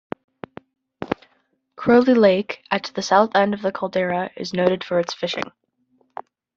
Crowley Lake, at the south end of the caldera, is noted for its fishing.